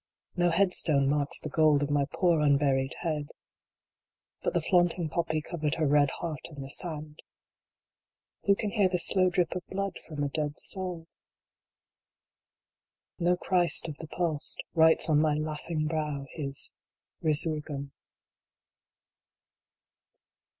No head stone marks the gold of my poor unburied head. But the flaunting poppy covered her red heart in the sand. Who can hear the slow drip of blood from a dead soul ? No Christ of the Past writes on my laughing brow His " Resurgam."